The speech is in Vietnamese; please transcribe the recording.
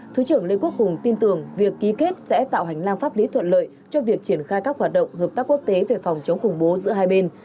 thứ trưởng lê quốc hùng tin tưởng việc ký kết sẽ tạo hành lang pháp lý thuận lợi cho việc triển khai các hoạt động hợp tác quốc tế về phòng chống khủng bố giữa hai bên